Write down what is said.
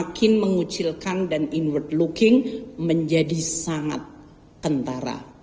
makin mengucilkan dan inward looking menjadi sangat kentara